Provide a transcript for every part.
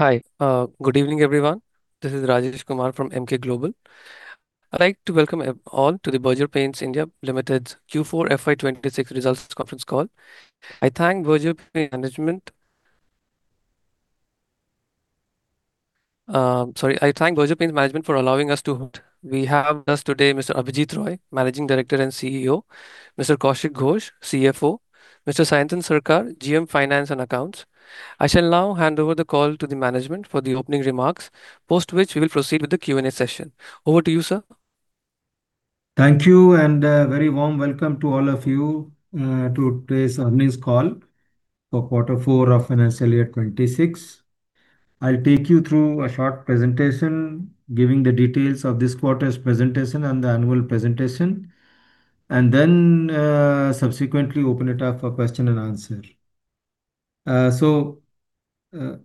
Hi. Good evening, everyone. This is Rajesh Kumar from Emkay Global. I'd like to welcome all to the Berger Paints India Limited Q4 FY 2026 results conference call. I thank Berger Paints management for allowing us to. We have thus today Mr. Abhijit Roy, Managing Director and CEO; Mr. Kaushik Ghosh, CFO; Mr. Sayantan Sarkar, GM, Finance and Accounts. I shall now hand over the call to the management for the opening remarks, post which we will proceed with the Q&A session. Over to you, sir. Thank you, and a very warm welcome to all of you, to today's earnings call for quarter four of financial year 2026. I'll take you through a short presentation giving the details of this quarter's presentation and the annual presentation and, subsequently, open it up for question-and-answer.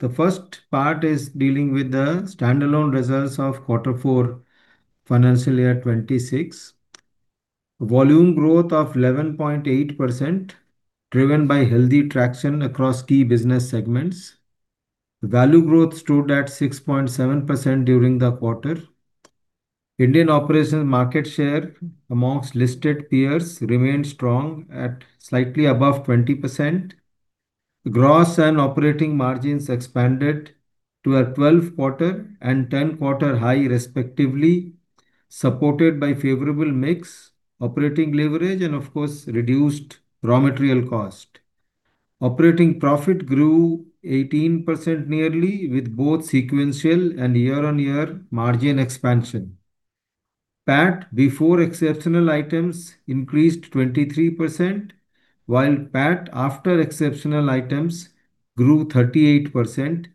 The first part is dealing with the standalone results of quarter four financial year 2026. Volume growth of 11.8%, driven by healthy traction across key business segments. Value growth stood at 6.7% during the quarter. Indian operations' market share amongst listed peers remained strong at slightly above 20%. Gross and operating margins expanded to a 12-quarter and 10-quarter high, respectively, supported by favorable mix, operating leverage, and, of course, reduced raw material cost. Operating profit grew nearly 18%, with both sequential and year-on-year margin expansion. PAT before exceptional items increased 23%, while PAT after exceptional items grew 38%,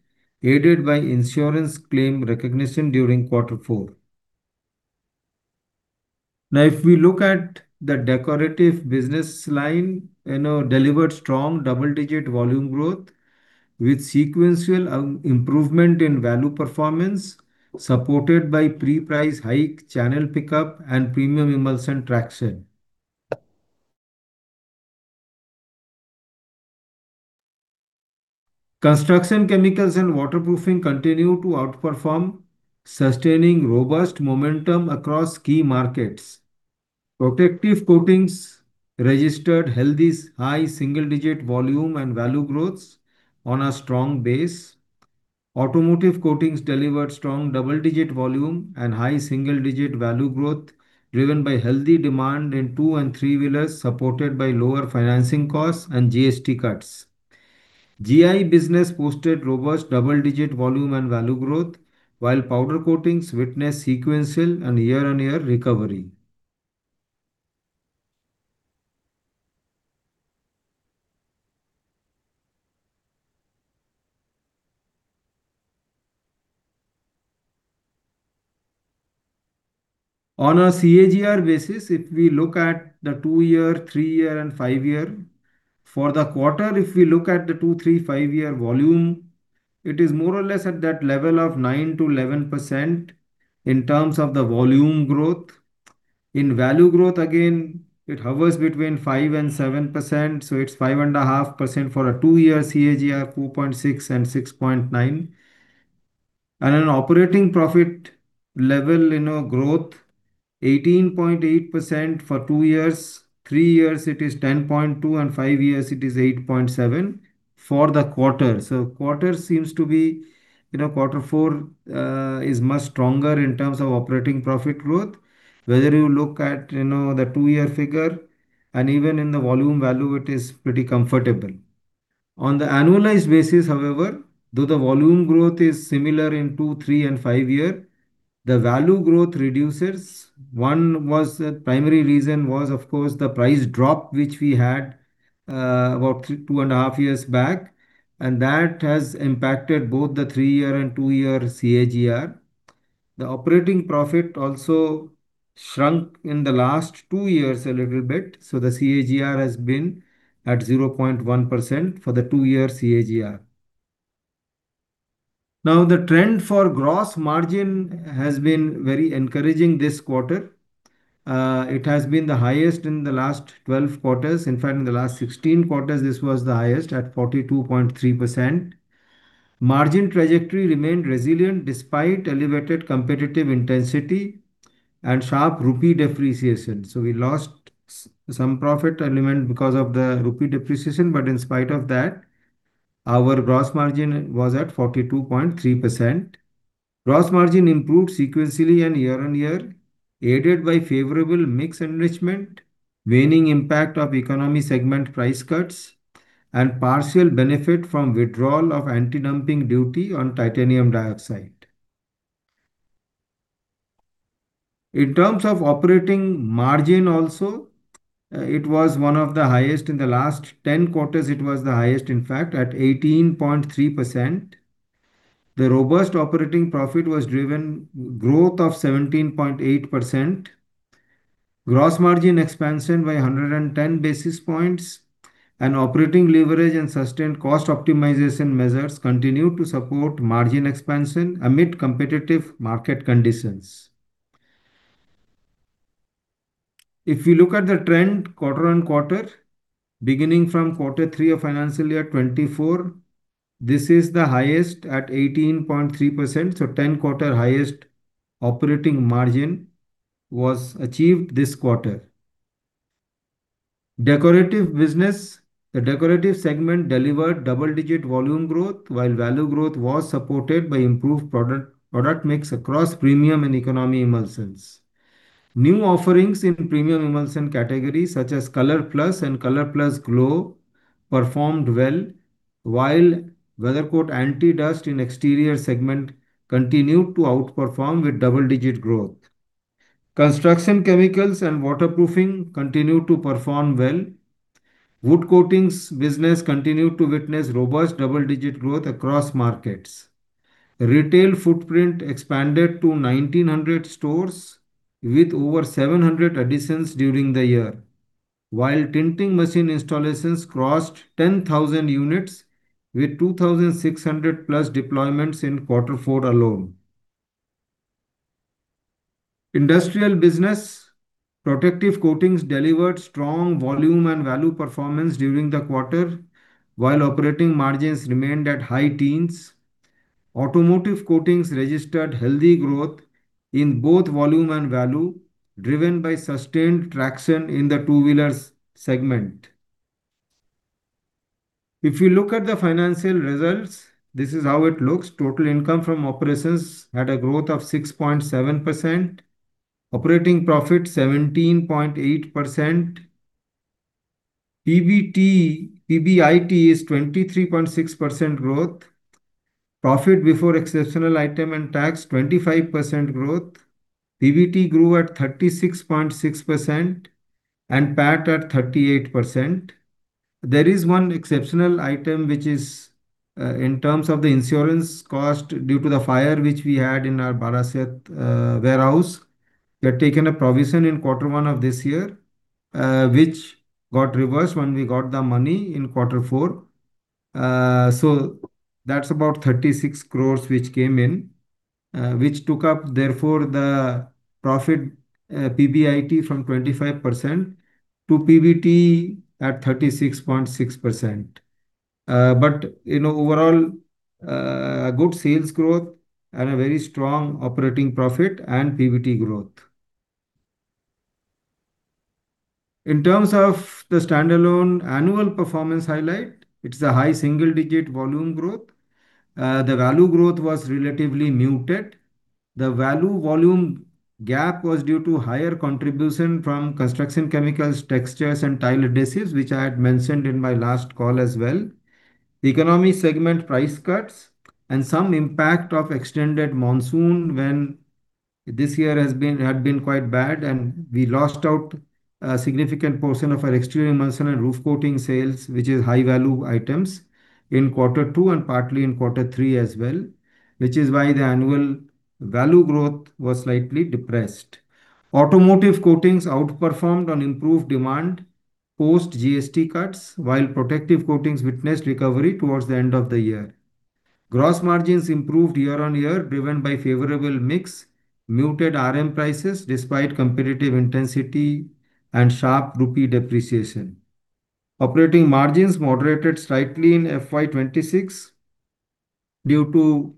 aided by insurance claim recognition during quarter four. If we look at the decorative business line, you know, it delivered strong double-digit volume growth with sequential improvement in value performance, supported by pre-price hike, channel pickup, and premium emulsion traction. Construction chemicals and waterproofing continue to outperform, sustaining robust momentum across key markets. Protective coatings registered healthy high single-digit volume and value growths on a strong base. Automotive coatings delivered strong double-digit volume and high single-digit value growth, driven by healthy demand in two- and three-wheelers, supported by lower financing costs and GST cuts. GI business posted robust double-digit volume and value growth, while powder coatings witnessed sequential and year-on-year recovery. On a CAGR basis, if we look at the two-year, three-year, and five-year for the quarter, if we look at the two-, three-, and five-year volume, it is more or less at that level of 9%-11% in terms of the volume growth. In value growth, again, it hovers between 5%-7%, so it's 5.5% for a two-year CAGR, 4.6%, and 6.9%. An operating profit level, you know, growth 18.8% for two years, three years it is 10.2%, and 8.7% for five years for the quarter. Quarter seems to be, you know, quarter four is much stronger in terms of operating profit growth, whether you look at, you know, the two-year figure, and even in the volume value, it is pretty comfortable. On the annualized basis, however, though the volume growth is similar in two, three, and five years, the value growth reduces. One primary reason was, of course, the price drop, which we had about 2.5 years back, and that has impacted both the three-year and two-year CAGR. The operating profit also shrunk in the last two years a little bit, so the CAGR has been at 0.1% for the two-year CAGR. Now, the trend for gross margin has been very encouraging this quarter. It has been the highest in the last 12 quarters. In fact, in the last 16 quarters, this was the highest at 42.3%. Margin trajectory remained resilient despite elevated competitive intensity and sharp rupee depreciation. We lost some profit element because of the rupee depreciation; in spite of that, our gross margin was at 42.3%. Gross margin improved sequentially and year-over-year, aided by favorable mix enrichment, waning impact of economy segment price cuts, and partial benefit from withdrawal of anti-dumping duty on titanium dioxide. In terms of operating margin also, it was one of the highest in the last 10 quarters. It was the highest, in fact, at 18.3%. The robust operating profit was driven by growth of 17.8%. Gross margin expansion by 110 basis points. Operating leverage and sustained cost optimization measures continue to support margin expansion amid competitive market conditions. If you look at the trend quarter-on-quarter, beginning from Q3 of FY2024, this is the highest at 18.3%, so the 10-quarter highest operating margin was achieved this quarter. Decorative business. The decorative segment delivered double-digit volume growth, while value growth was supported by improved product mix across premium and economy emulsions. New offerings in premium emulsion categories, such as Kolor Plus and Kolor Plus Glow, performed well. WeatherCoat Anti-Dust in the exterior segment continued to outperform with double-digit growth. Construction chemicals and waterproofing continued to perform well. Wood coatings business continued to witness robust double-digit growth across markets. Retail footprint expanded to 1,900 stores with over 700 additions during the year, while tinting machine installations crossed 10,000 units, with 2,600+ deployments in quarter four alone. Industrial business. Protective coatings delivered strong volume and value performance during the quarter, while operating margins remained at high teens. Automotive coatings registered healthy growth in both volume and value, driven by sustained traction in the two-wheeler segment. If you look at the financial results, this is how it looks. Total income from operations had a growth of 6.7%. Operating profit 17.8%. PBIT is 23.6% growth. Profit before exceptional item and tax: 25% growth. PBT grew at 36.6% and PAT at 38%. There is one exceptional item which is in terms of the insurance cost due to the fire which we had in our Barasat warehouse. We had taken a provision in quarter one of this year, which got reversed when we got the money in quarter four. That's about 36 crores, which came in, which took up, therefore, the profit PBIT from 25% to PBT at 36.6%. You know, overall, good sales growth and a very strong operating profit and PBT growth. In terms of the standalone annual performance highlight, it's a high single-digit volume growth. The value growth was relatively muted. The value-volume gap was due to higher contribution from construction chemicals, textures, and tile adhesives, which I had mentioned in my last call as well. The economy segment price cuts and some impact of extended monsoon when this year had been quite bad, and we lost out a significant portion of our exterior emulsion and roof coating sales, which is high-value items, in quarter two and partly in quarter three as well, which is why the annual value growth was slightly depressed. Automotive coatings outperformed on improved demand, post-GST cuts, while protective coatings witnessed recovery towards the end of the year. Gross margins improved year-on-year, driven by a favorable mix, muted RM prices despite competitive intensity and sharp rupee depreciation. Operating margins moderated slightly in FY 2026 due to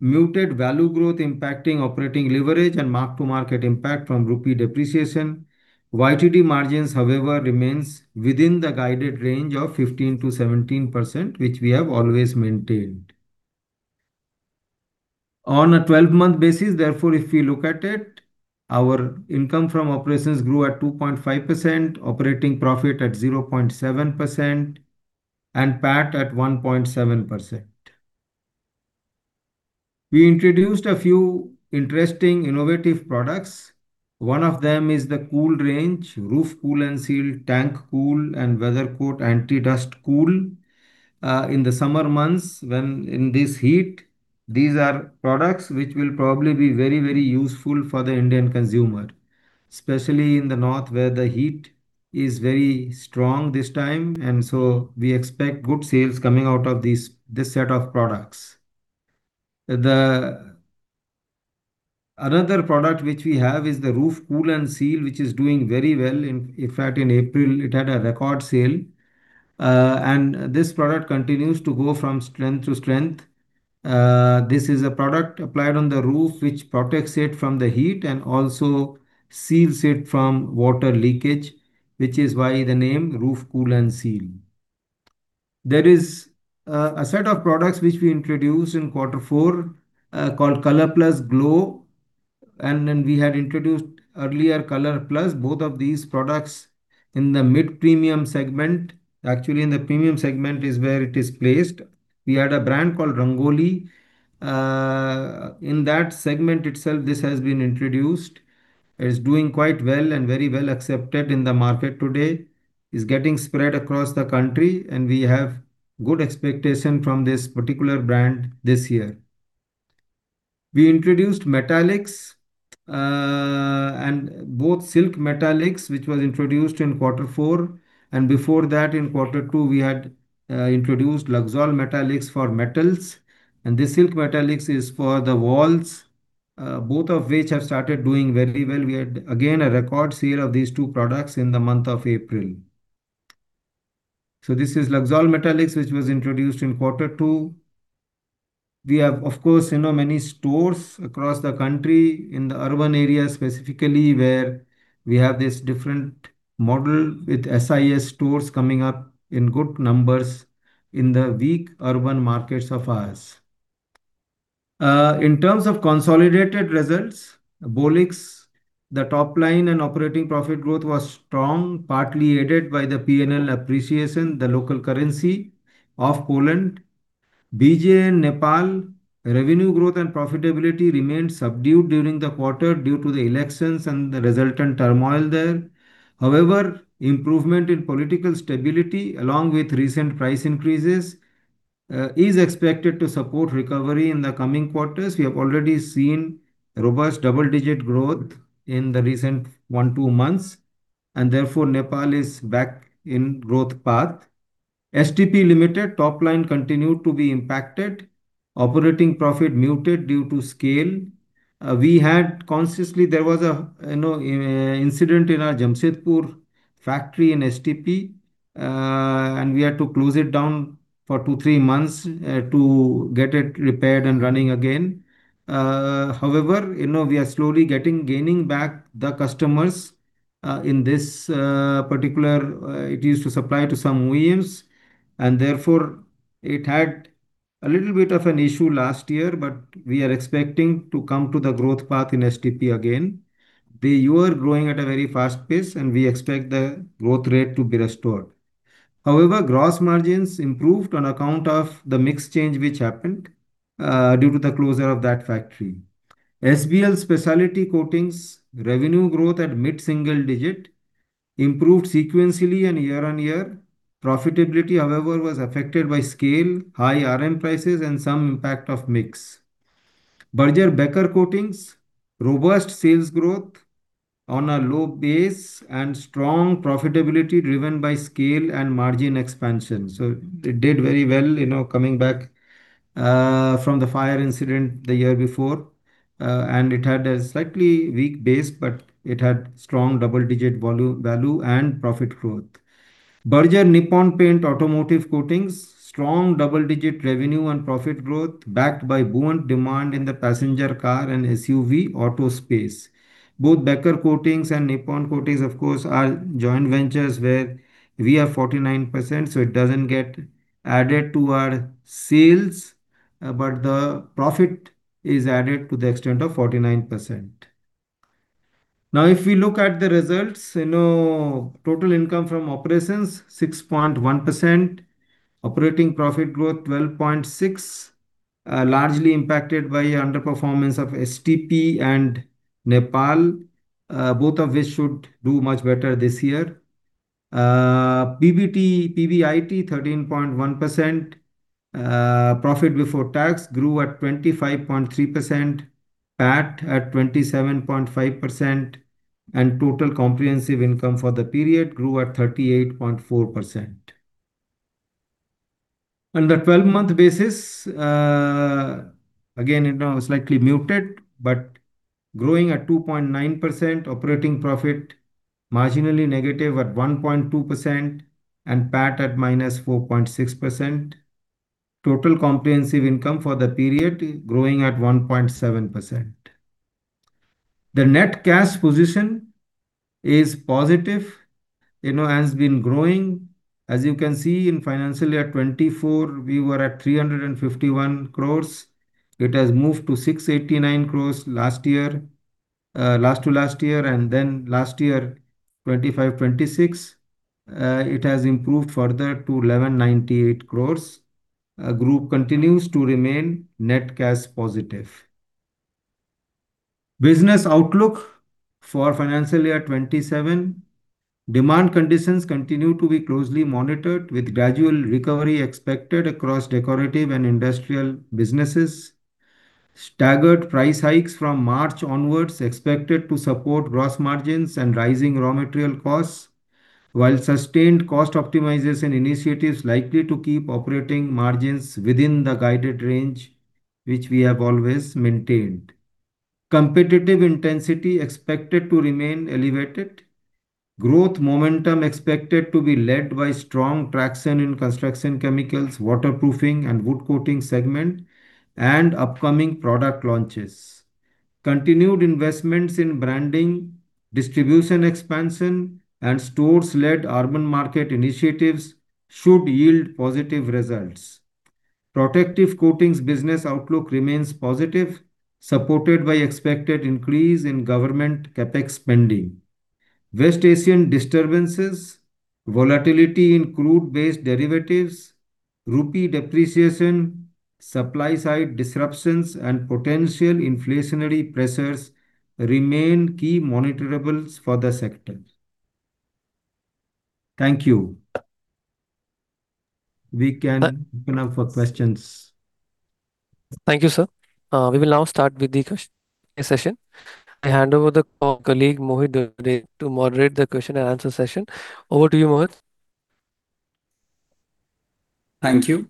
muted value growth impacting operating leverage and mark-to-market impact from rupee depreciation. YTD margins, however, remain within the guided range of 15%-17%, which we have always maintained. On a 12-month basis, therefore, if we look at it, our income from operations grew at 2.5%, operating profit at 0.7%, and PAT at 1.7%. We introduced a few interesting innovative products. One of them is the Kool range, Roof Kool & Seal, Tank Kool, and WeatherCoat Anti-Dust Kool. In the summer months when in this heat, these are products which will probably be very useful for the Indian consumer, especially in the north where the heat is very strong this time; we expect good sales coming out of this set of products. Another product which we have is the Roof Kool & Seal, which is doing very well. In fact, in April, it had a record sale. This product continues to go from strength to strength. This is a product applied on the roof which protects it from the heat and also seals it from water leakage, which is why the name is Roof Kool & Seal. There is a set of products which we introduced in quarter four, called Kolor Plus Glow, and then we had introduced earlier Kolor Plus, both of these products in the mid-premium segment. Actually, in the premium segment is where it is placed. We had a brand called Rangoli. In that segment itself, this has been introduced. It is doing quite well and very well accepted in the market today. It's getting spread across the country, and we have good expectations from this particular brand this year. We introduced Metallics, and both Silk Metallics, which was introduced in quarter four, and before that, in quarter two, we had introduced Luxol Metallics for metals, and the Silk Metallics is for the walls, both of which have started doing very well. We had, again, a record sale of these two products in the month of April. This is Luxol Metallics, which was introduced in quarter two. We have, of course, you know, many stores across the country in the urban areas specifically, where we have this different model with SIS stores coming up in good numbers in the weak urban markets of ours. In terms of consolidated results, Bolix's top-line and operating-profit growth was strong, partly aided by the P&L appreciation, the local currency of Poland. BJ and Nepal, revenue growth and profitability remained subdued during the quarter due to the elections and the resultant turmoil there. Improvement in political stability along with recent price increases is expected to support recovery in the coming quarters. We have already seen robust double-digit growth in the recent one or two months; therefore, Nepal is back in growth path. STP Limited, top line continued to be impacted. Operating profit muted due to scale. There was a, you know, incident in our Jamshedpur factory in STP. We had to close it down for two or three months to get it repaired and running again. You know, we are slowly gaining back the customers. In this particular, it used to supply to some OEMs; therefore, it had a little bit of an issue last year. We are expecting to come to the growth path in STP again. Our growing at a very fast pace, and we expect the growth rate to be restored. However, gross margins improved on account of the mix change, which happened due to the closure of that factory. SBL Specialty Coatings' revenue growth at mid-single digits improved sequentially and year-on-year. Profitability, however, was affected by scale, high RM prices, and some impact of mix. Berger Becker Coatings: robust sales growth on a low base and strong profitability driven by scale and margin expansion. It did very well, you know, coming back from the fire incident the year before. It had a slightly weak base, but it had strong double-digit value and profit growth. Berger Nippon Paint Automotive Coatings, strong double-digit revenue and profit growth backed by buoyant demand in the passenger car and SUV auto space. Both Becker Coatings and Nippon Coatings, of course, are joint ventures where we have 49%; it doesn't get added to our sales, but the profit is added to the extent of 49%. If we look at the results, you know, total income from operations, 6.1%. Operating profit growth, 12.6%, is largely impacted by the underperformance of STP and Nepal, both of which should do much better this year. PBIT, 13.1%. Profit before tax grew at 25.3%. PAT at 27.5%. Total comprehensive income for the period grew at 38.4%. On the 12-month basis, again, you know, slightly muted, but growing at 2.9%. Operating profit, marginally negative at 1.2%, and PAT at -4.6%. Total comprehensive income for the period growing at 1.7%. The net cash position is positive, you know; it has been growing. As you can see in FY 2024, we were at 351 crores. It moved to 689 crores last year. Last to last year, and then last year, 2025, 2026, it has improved further to 1,198 crores. Group continues to remain net cash positive. Business outlook for FY 2027. Demand conditions continue to be closely monitored, with gradual recovery expected across decorative and industrial businesses. Staggered price hikes from March onwards are expected to support gross margins and rising raw material costs, while sustained cost optimization initiatives are likely to keep operating margins within the guided range, which we have always maintained. Competitive intensity expected to remain elevated. Growth momentum is expected to be led by strong traction in construction chemicals, waterproofing, and wood coating segments and upcoming product launches. Continued investments in branding, distribution expansion, and store-led urban market initiatives should yield positive results. Protective coatings business outlook remains positive, supported by expected increase in government CapEx spending. West Asian disturbances, volatility in crude-based derivatives, rupee depreciation, supply-side disruptions, and potential inflationary pressures remain key monitorables for the sector. Thank you. We can open up for questions. Thank you, sir. We will now start with the Q&A session. I hand over the call colleague Mohit Dudeja to moderate the question and answer session. Over to you, Mohit. Thank you.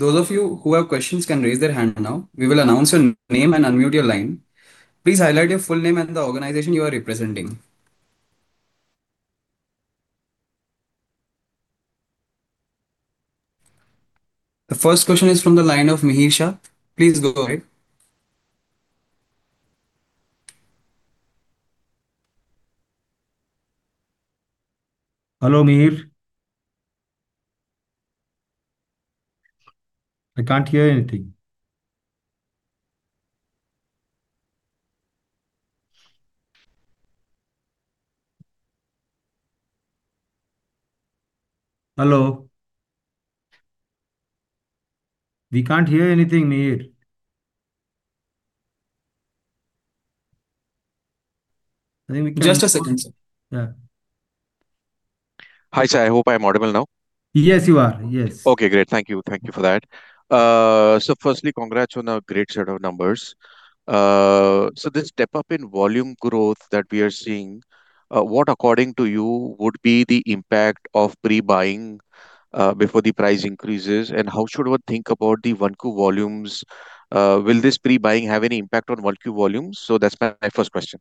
Those of you who have questions can raise their hands now. We will announce your name and unmute your line. Please highlight your full name and the organization you are representing. The first question is from the line of Mihir Shah. Please go ahead. Hello, Mihir. I can't hear anything. Hello? We can't hear anything, Mihir. Just a second, sir. Yeah. Hi, sir. I hope I am audible now. Yes, you are. Yes. Okay, great. Thank you. Thank you for that. Firstly, congrats on a great set of numbers. This step-up in volume growth that we are seeing, what according to you would be the impact of pre-buying before the price increases, and how should one think about the 1Q volumes? Will this pre-buying have any impact on 1Q volumes? That's my first question.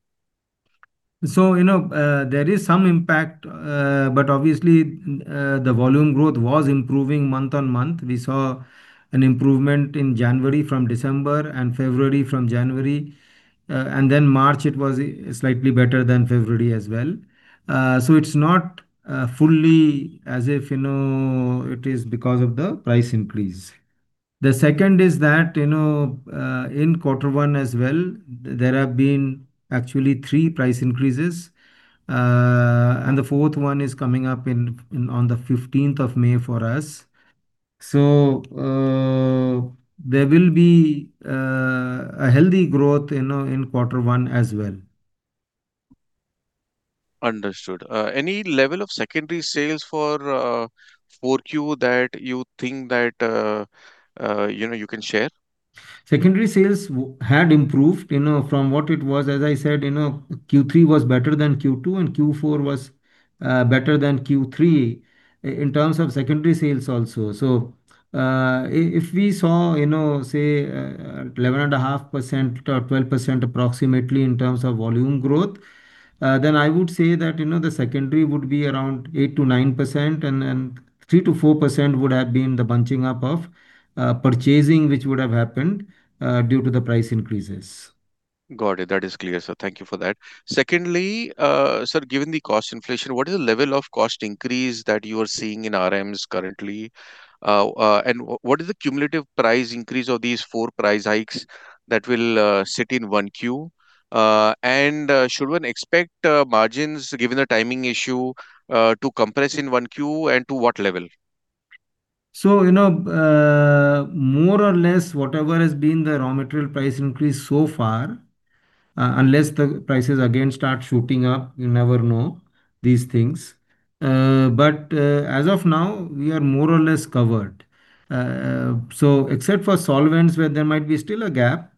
You know, there is some impact, but obviously, the volume growth was improving month-on-month. We saw an improvement in January from December and February from January. Then in March, it was slightly better than February as well. It's not fully as if, you know, it is because of the price increase. The second is that, you know, in quarter one as well, there have been actually three price increases, and the fourth one is coming up on the 15th of May for us. There will be healthy growth, you know, in quarter one as well. Understood. Any level of secondary sales for 4Q that you think that, you know, you can share? Secondary sales had improved, you know, from what it was. As I said, you know, Q3 was better than Q2, and Q4 was better than Q3 in terms of secondary sales also. If we saw, you know, say, 11.5% or 12% approximately in terms of volume growth, then I would say that, you know, the secondary would be around 8%-9% and 3%-4% would have been the bunching up of purchasing, which would have happened due to the price increases. Got it. That is clear, sir. Thank you for that. Secondly, sir, given the cost inflation, what is the level of cost increase that you are seeing in RMs currently? What is the cumulative price increase of these 4 price hikes that will sit in 1Q? Should one expect margins, given the timing issue, to compress in 1Q, and to what level? You know, more or less whatever has been the raw material price increase so far, unless the prices again start shooting up; you never know these things. As of now, we are more or less covered. Except for solvents, where there might still be a gap,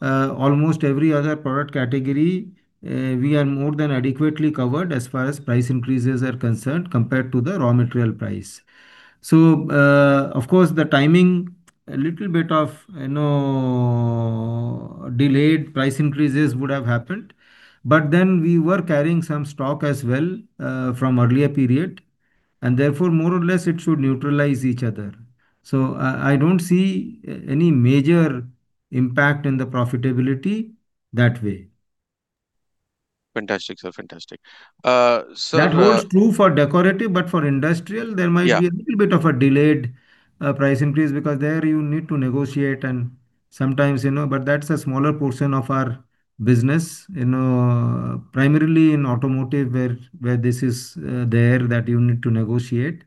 almost every other product category is more than adequately covered as far as price increases are concerned compared to the raw material price. Of course, the timing, a little bit of, you know, delayed price increases would have happened, but then we were carrying some stock as well from an earlier period, and therefore, more or less it should neutralize each other. I don't see any major impact in the profitability that way. Fantastic, sir. Fantastic. That was true for decorative, but for industrial Yeah There might be a little bit of a delayed price increase because there you need to negotiate and sometimes, you know. That's a smaller portion of our business, you know, primarily in automotive where this is, there, that you need to negotiate.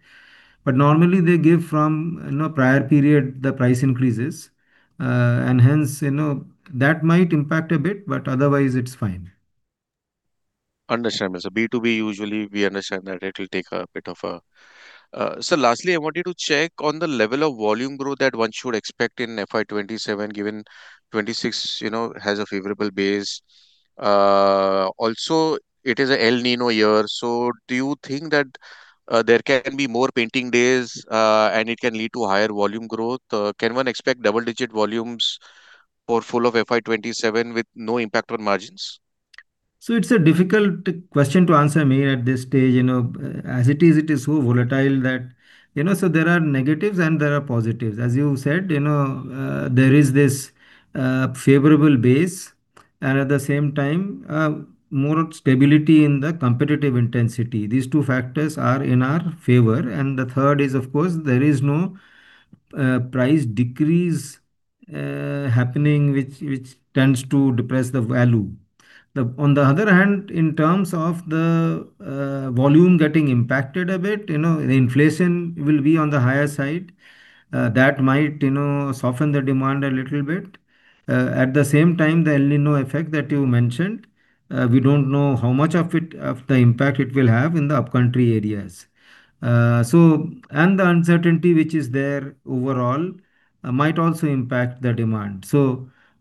Normally they give from, you know, prior period the price increases. Hence, you know, that might impact it a bit, but otherwise it's fine. Understand, sir. Sir, lastly, I want you to check on the level of volume growth that one should expect in FY 2027, given 2026, you know, has a favorable base. It is an El Niño year, so do you think that there can be more painting days, and can it lead to higher volume growth? Can one expect double-digit volumes for the full FY 2027 with no impact on margins? It's a difficult question to answer, Mihir, at this stage. You know, as it is, it is so volatile that You know, there are negatives and there are positives. As you said, you know, there is this favorable base and, at the same time, more stability in the competitive intensity. These two factors are in our favor. The third is, of course, there is no price decrease happening, which tends to depress the value. On the other hand, in terms of the volume getting impacted a bit, you know, inflation will be on the higher side. That might, you know, soften the demand a little bit. At the same time, the El Niño effect that you mentioned, we don't know how much of the impact it will have in the upcountry areas. The uncertainty, which is there overall, might also impact the demand.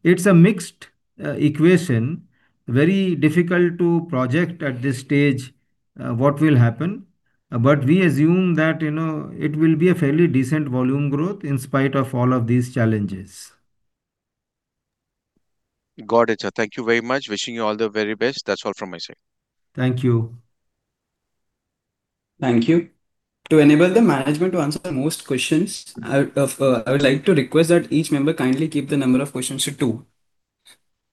It's a mixed equation, very difficult to project at this stage what will happen. We assume that, you know, it will be a fairly decent volume growth in spite of all of these challenges. Got it, sir. Thank you very much. Wishing you all the very best. That is all from my side. Thank you. Thank you. To enable the management to answer most questions, I would like to request that each member kindly keep the number of questions to two.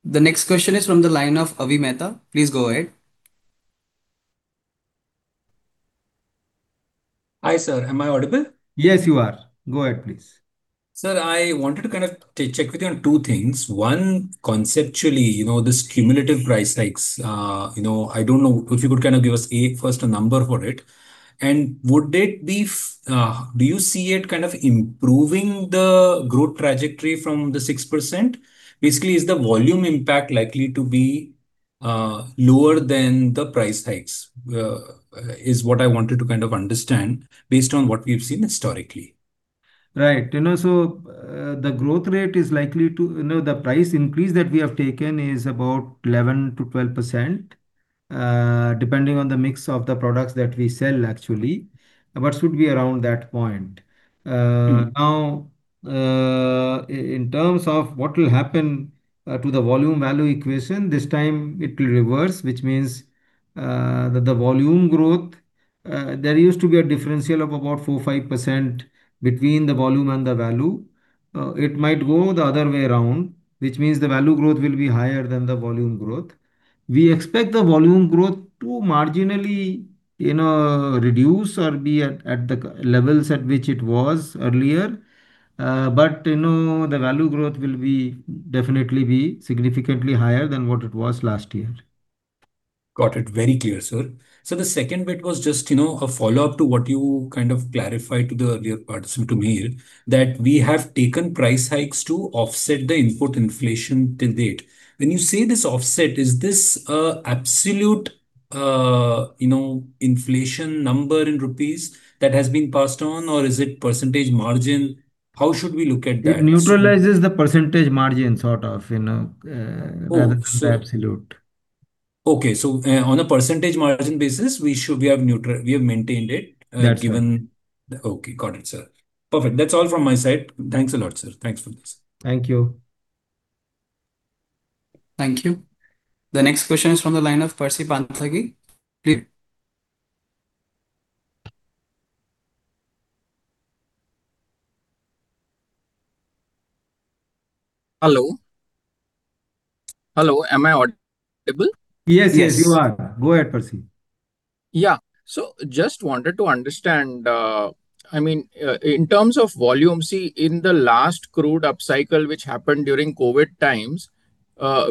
The next question is from the line of Avi Mehta. Please go ahead. Hi, sir. Am I audible? Yes, you are. Go ahead, please. Sir, I wanted to kind of check with you on two things. One, conceptually, you know, these cumulative price hikes, you know, I don't know if you could kind of give us, first, a number for it. Do you see it kind of improving the growth trajectory from the 6%? Basically, is the volume impact likely to be lower than the price hikes? Is what I wanted to kind of understand based on what we've seen historically. Right. You know, the price increase that we have taken is about 11%-12%, depending on the mix of the products that we sell, actually. It should be around that point. Now, in terms of what will happen to the volume-value equation, this time it will reverse, which means that for volume growth, there used to be a differential of about 4%-5% between the volume and the value. It might go the other way around, which means the value growth will be higher than the volume growth. We expect the volume growth to marginally, you know, reduce or be at the levels at which it was earlier. You know, the value growth will definitely be significantly higher than what it was last year. Got it. Very clear, sir. The second bit was just, you know, a follow-up to what you kind of clarified to the earlier participant, Mihir, that we have taken price hikes to offset the input inflation to date. When you say this offset, is this an absolute, you know, inflation number in rupees that has been passed on, or is it a percentage margin? How should we look at this? It neutralizes the percentage margin, sort of, you know. Oh. the absolute. Okay. On a percentage margin basis, we have maintained it. That's right. Okay, got it, sir. Perfect. That's all from my side. Thanks a lot, sir. Thanks for this. Thank you. Thank you. The next question is from the line of Percy Panthaki. Hello. Hello, am I audible? Yes, yes, you are. Yes. Go ahead, Percy. Just wanted to understand, I mean, in terms of volume. In the last crude upcycle, which happened during COVID times,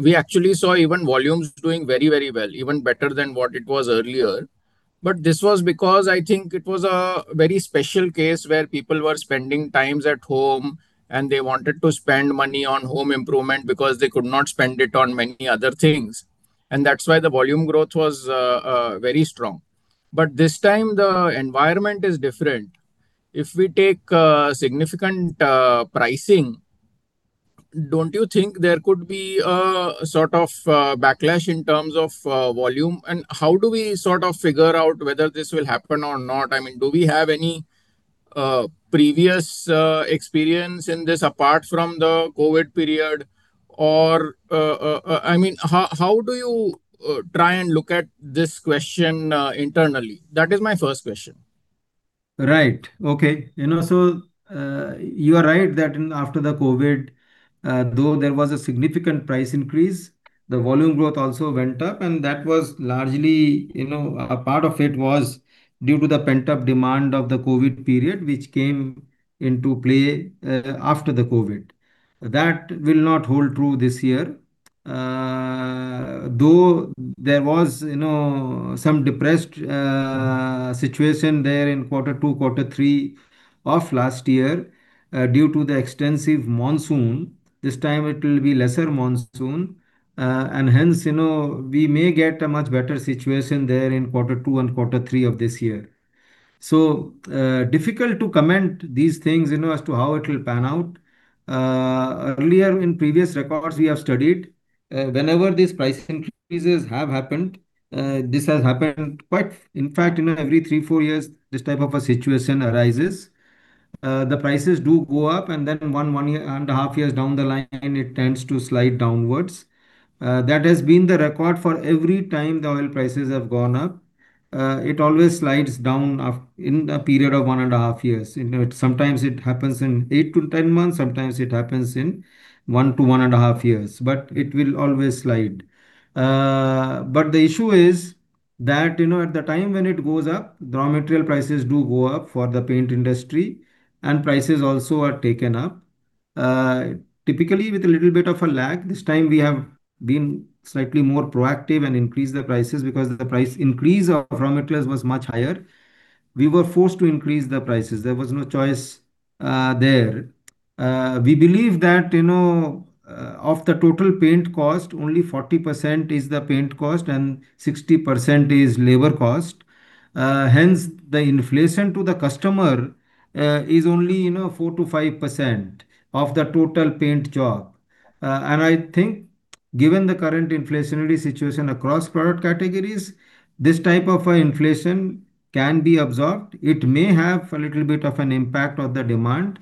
we actually saw even volumes doing very, very well, even better than what it was earlier. This was because I think it was a very special case where people were spending times at home, and they wanted to spend money on home improvement because they could not spend it on many other things, and that's why the volume growth was very strong. This time, the environment is different. If we take significant pricing, don't you think there could be a sort of backlash in terms of volume? How do we sort of figure out whether this will happen or not? I mean, do we have any previous experience in this apart from the COVID period, or, I mean, how do you try and look at this question internally? That is my first question. Right. Okay. You know, you are right that in after COVID, though there was a significant price increase, the volume growth also went up, and that was largely, you know, a part of it was due to the pent-up demand of the COVID period, which came into play after COVID. That will not hold true this year. Though there was, you know, some depressed situation there in quarter two, quarter three of last year, due to the extensive monsoon. This time it will be a lesser monsoon. Hence, you know, we may get a much better situation there in quarter two and quarter three of this year. Difficult to comment on these things, you know, as to how it will pan out. Earlier in previous records we have studied, whenever these price increases have happened, this has happened quite often; in fact, you know, every three or four years this type of situation arises. The prices do go up, and then one and a half years down the line, it tends to slide downwards. That has been the record for every time the oil prices have gone up. It always slides down in a period of one and a half years. You know, sometimes it happens in eight to 10 months, and sometimes it happens in one to one and a half years, but it will always slide. The issue is that, you know, at the time when it goes up, raw material prices do go up for the paint industry, and prices also are taken up typically with a little bit of a lag. This time we have been slightly more proactive and increased the prices because of the price increase of raw materials was much higher. We were forced to increase the prices. There was no choice there. We believe that, you know, of the total paint cost, only 40% is the paint cost, and 60% is labor cost. Hence, the inflation to the customer is only, you know, 4%-5% of the total paint job. I think given the current inflationary situation across product categories, this type of inflation can be absorbed. It may have a little bit of an impact on the demand,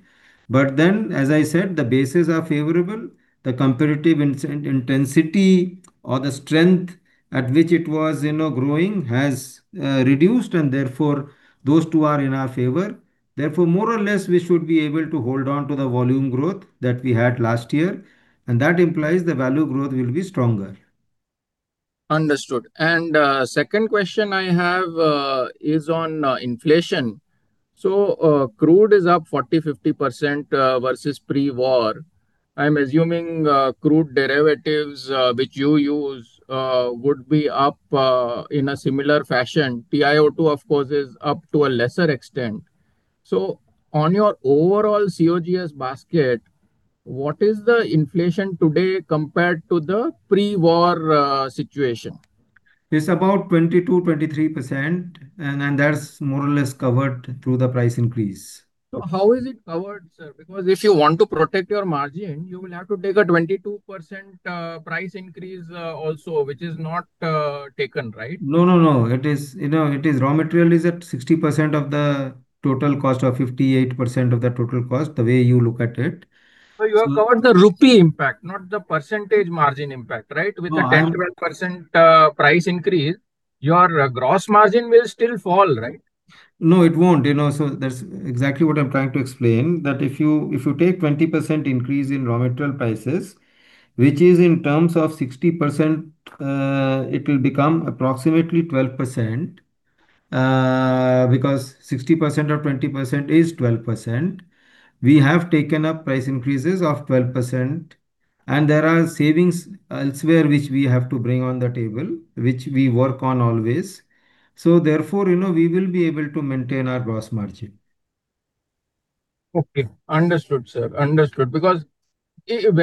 but then, as I said, the bases are favorable. The competitive intensity or the strength at which it was, you know, growing has reduced, and therefore, those two are in our favor. More or less, we should be able to hold on to the volume growth that we had last year, and that implies the value growth will be stronger. Understood. The second question I have is on inflation. Crude is up 40%-50% versus pre-war. I'm assuming crude derivatives, which you use, would be up in a similar fashion. TiO2 too, of course, is up to a lesser extent. On your overall COGS basket, what is the inflation today compared to the pre-war situation? It's about 22%-23%, and that's more or less covered through the price increase. How is it covered, sir? Because if you want to protect your margin, you will have to take a 22% price increase also, which is not taken, right? No, no. It is, you know, it is raw material at 60% of the total cost or 58% of the total cost, the way you look at it. You have covered the rupee impact, not the percentage margin impact, right? No. With a 10%-12% price increase, your gross margin will still fall, right? No, it won't, you know. That's exactly what I'm trying to explain: that if you take a 20% increase in raw material prices, which is in terms of 60%, it will become approximately 12%, because 60% of 20% is 12%. We have taken up price increases of 12%, and there are savings elsewhere which we have to bring on the table, which we work on always. Therefore, you know, we will be able to maintain our gross margin. Okay. Understood, sir. Understood. Wherever and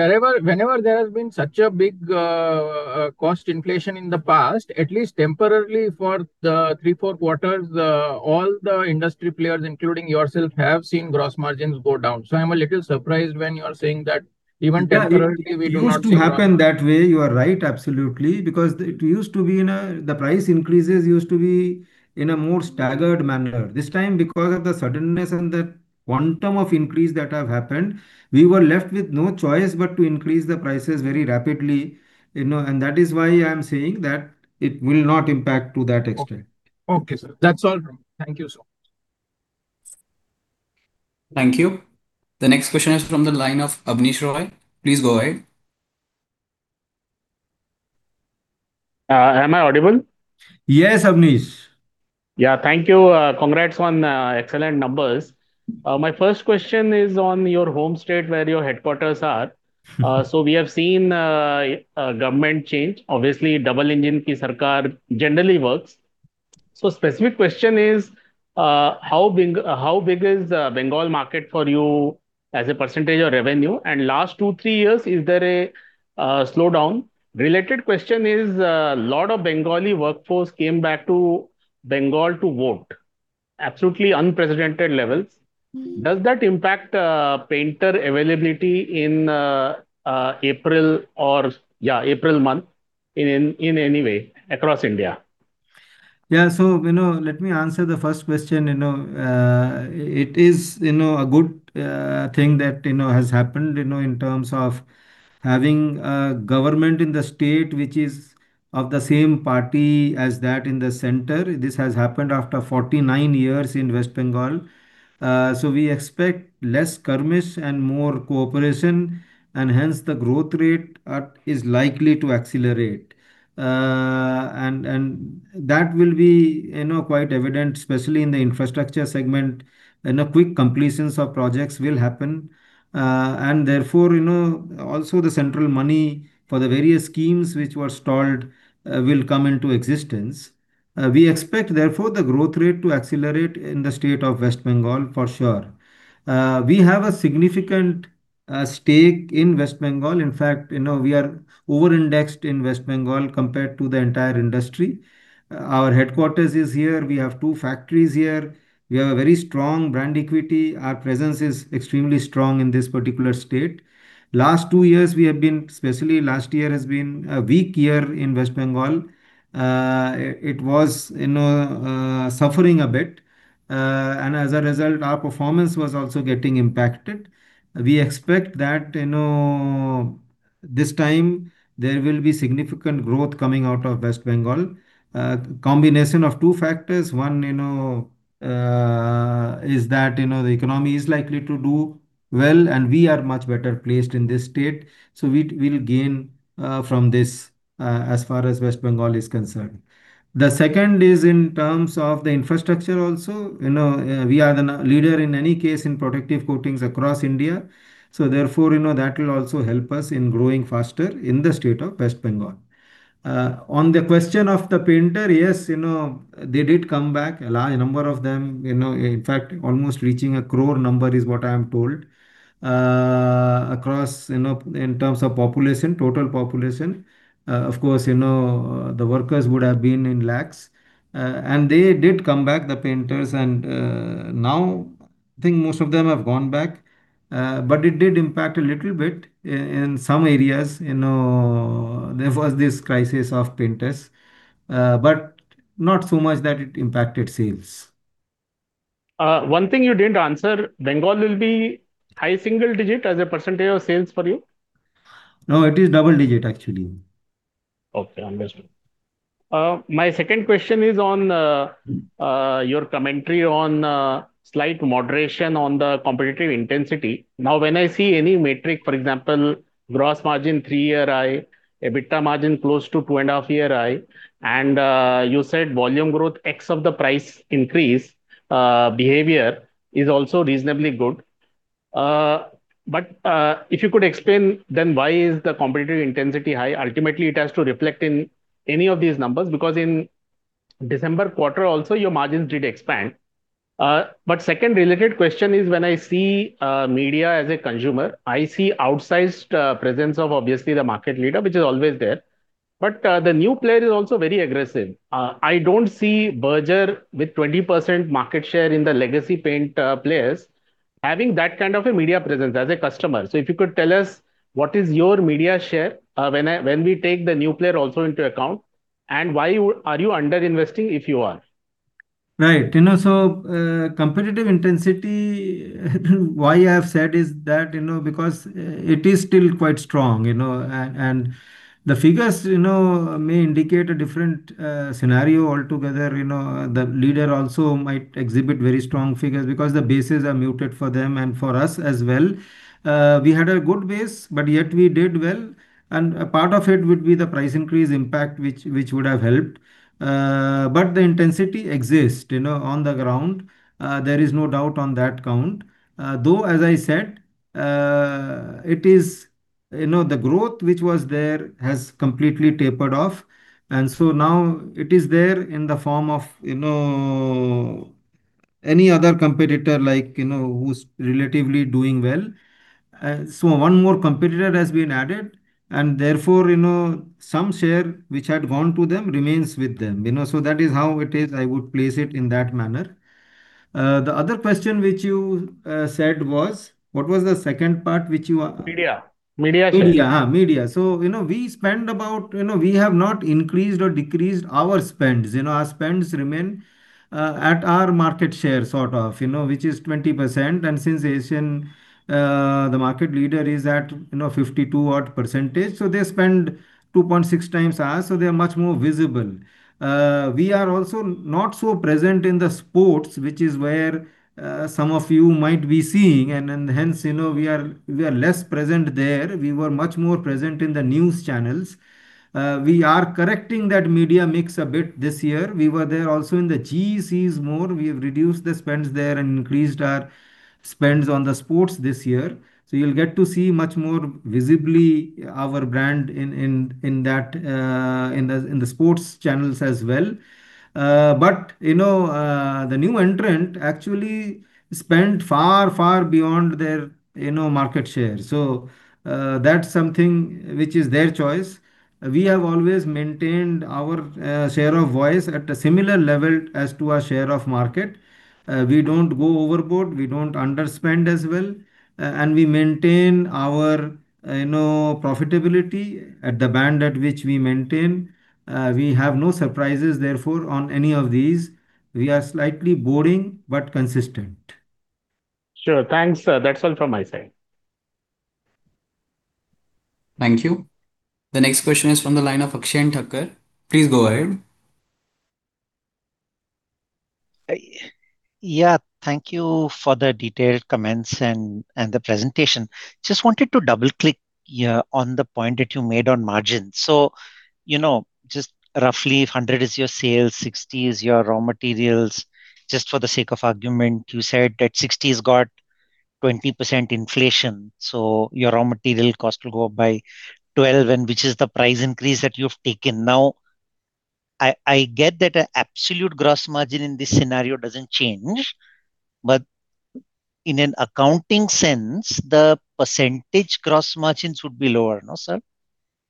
whenever there has been such big cost inflation in the past, at least temporarily for three or four quarters, all the industry players, including yourself, have seen gross margins go down. I'm a little surprised when you are saying that even temporarily we do not see it. Yeah, it used to happen that way. You are right, absolutely. The price increases used to be in a more staggered manner. This time because of the suddenness and the quantum of increase that have happened, we were left with no choice but to increase the prices very rapidly, you know. That is why I'm saying that it will not impact to that extent. Okay. Okay, sir. That's all from me. Thank you, sir. Thank you. The next question is from the line of Abneesh Roy. Please go ahead. Am I audible? Yes, Abneesh. Thank you. Congrats on excellent numbers. My first question is on your home state where your headquarters are. We have seen a government change. Obviously, double-engine Sarkar generally works. Specific question is, how big is Bengal market for you as a percentage of revenue? Last two, three years, is there a slowdown? Related question is, lot of Bengali workforce come back to Bengal to vote? Absolutely unprecedented levels. Does that impact painter availability in April, or yeah, the month of April, in any way across India? Yeah. You know, let me answer the first question. You know, it is, you know, a good thing that, you know, has happened, you know, in terms of having a government in the state which is of the same party as that in the center. This has happened after 49 years in West Bengal. We expect less karmis and more cooperation, and hence the growth rate is likely to accelerate. That will be, you know, quite evident, especially in the infrastructure segment, and quick completions of projects will happen. Therefore, you know, also the central money for the various schemes which were stalled will come into existence. We expect, therefore, the growth rate to accelerate in the state of West Bengal for sure. We have a significant stake in West Bengal. In fact, you know, we are over-indexed in West Bengal compared to the entire industry. Our headquarters is here. We have two factories here. We have very strong brand equity. Our presence is extremely strong in this particular state. Last two years, especially last year, have been weak year in West Bengal. It was, you know, suffering a bit. As a result, our performance was also getting impacted. We expect that, you know, this time there will be significant growth coming out of West Bengal. Combination of two factors. One, you know, is that, you know, the economy is likely to do well, and we are much better placed in this state, so we'll gain from this. As far as West Bengal is concerned. The second is in terms of the infrastructure also. You know, we are the leader in any case in protective coatings across India. Therefore, you know, that will also help us in growing faster in the state of West Bengal. On the question of the painter, yes, you know, they did come back. A large number of them, you know, in fact, almost reaching a crore number is what I am told. Across, you know, in terms of population, total population, of course, you know, the workers would have been in lakhs. They did come back, the painters, and now I think most of them have gone back. It did impact a little bit in some areas, you know, there was this crisis of painters. Not so much that it impacted sales. One thing you didn't answer: will Bengal be high single digit as a percentage of sales for you? No, it is double-digit, actually. Okay, understood. My second question is on your commentary on slight moderation on the competitive intensity. When I see any metric, for example, a gross margin three-year high, EBITDA margin close to 2.5-year high, and you said volume growth X of the price increase behavior is also reasonably good. If you could explain, then why is the competitive intensity high? It has to reflect in any of these numbers, because in December quarter also, your margins did expand. Second related question is when I see media as a consumer, I see an outsized presence of obviously the market leader, which is always there. The new player is also very aggressive. I don't see Berger, with 20% market share in the legacy paint players, having that kind of a media presence as a customer. If you could tell us what is your media share is when we take the new player also into account and why you are under-investing, if you are? Right. You know, competitive intensity—why I've said that is, you know, because it is still quite strong, you know. The figures, you know, may indicate a different scenario altogether, you know? The leader also might exhibit very strong figures because the bases are muted for them and for us as well. We had a good base, yet we did well, and a part of it would be the price increase impact, which would have helped. The intensity exists, you know, on the ground. There is no doubt on that count. As I said, it is, you know, the growth which was there has completely tapered off. Now it is there in the form of, you know, any other competitor who's relatively doing well. One more competitor has been added, and therefore, you know, some share which had gone to them remains with them, you know. That is how it is. I would place it in that manner. The other question, which you said was, what was the second part? Media. Media share. Media. You know, we have not increased or decreased our spends. Our spends remain at our market share, sort of, you know, which is 20%. Since Asian, the market leader is at, you know, 52% odd; they spend 2.6x us, they are much more visible. We are also not so present in the sports, which is where some of you might be seeing, and hence, you know, we are less present there. We were much more present in the news channels. We are correcting that media mix a bit this year. We were there also in the GECs more. We have reduced the spends there and increased our spends on the sports this year. You'll get to see much more visibly our brand in the sports channels as well. You know, the new entrant actually spent far, far beyond their, you know, market share. That's something which is their choice. We have always maintained our share of voice at a similar level to our share of market. We don't go overboard; we don't underspend as well, and we maintain our, you know, profitability at the band at which we maintain it. We have no surprises, therefore, on any of these. We are slightly boring but consistent. Sure. Thanks. That's all from my side. Thank you. The next question is from the line of Akshay Thakkar. Please go ahead. Yeah. Thank you for the detailed comments and the presentation. Just wanted to double-click, yeah, on the point that you made on margins. You know, just roughly 100 is your sales and 60 is your raw material. Just for the sake of argument, you said that the '60s got 20% inflation, so your raw material cost will go up by 12%, which is the price increase that you've taken. Now, I get that an absolute gross margin in this scenario doesn't change, but in an accounting sense, the percentage gross margins would be lower, no?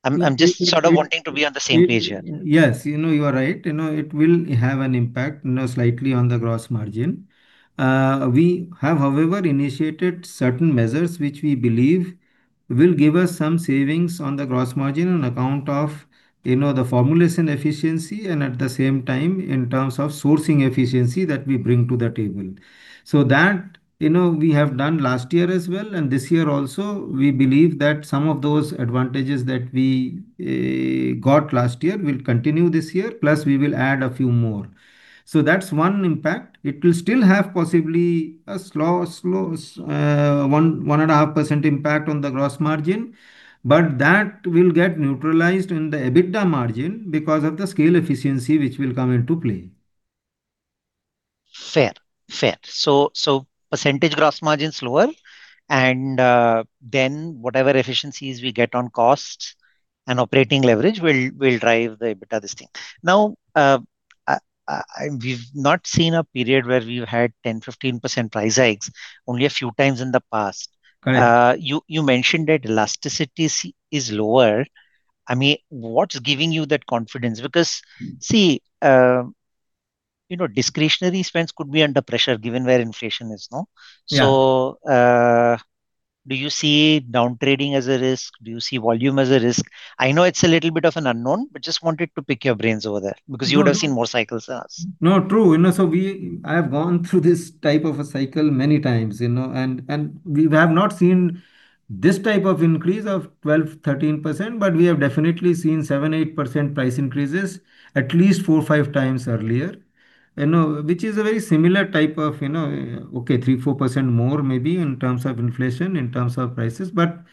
I'm just sort of wanting to be on the same page here. Yes. You know, you are right. You know, it will have an impact, you know, slightly on the gross margin. We have, however, initiated certain measures which we believe will give us some savings on the gross margin on account of, you know, the formulation efficiency and, at the same time in terms of sourcing efficiency that we bring to the table. That, you know, we have done last year as well, and this year also, we believe that some of those advantages that we got last year will continue this year, plus we will add a few more. That's one impact. It will still possibly have a slow 1.5% impact on the gross margin, but that will get neutralized in the EBITDA margin because of the scale efficiency which will come into play. Fair, fair. Percentage gross margin is lower, and then whatever efficiencies we get on costs and operating leverage will drive the EBITDA, this thing. We've not seen a period where we've had 10% or 15% price hikes, only a few times in the past. Correct. You mentioned that elasticity is lower. I mean, what's giving you that confidence? Because, see, you know, discretionary spends could be under pressure given where inflation is now. Yeah. Do you see downtrading as a risk? Do you see volume as a risk? I know it's a little bit of an unknown, but I just wanted to pick your brains over there. No, no. You would've seen more cycles than us. No, true. You know, so I have gone through this type of cycle many times, you know, and we have not seen this type of increase of 12%-13%, but we have definitely seen 7% or 8% price increases at least 4x or 5x earlier. You know, which is a very similar type of, you know, okay, 3%-4% more maybe in terms of inflation, in terms of prices, but